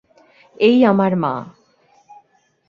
এই আমার মা।